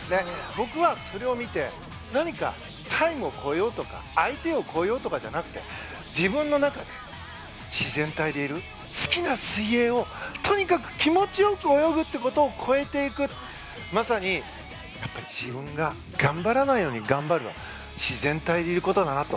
僕はそれを見て何か、タイムを超えようとか相手を超えようとかじゃなくて自分の中で自然体でいる、好きな水泳をとにかく気持ちよく泳ぐことを超えていくまさに自分が頑張らないように頑張るは自然体でいることだなと。